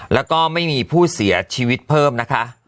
แล้วก็ไม่มีผู้เสียชีวิตเพิ่มนะคะ